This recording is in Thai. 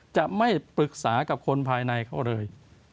จะไม่ปรึกษากับคนภายในเขาเลย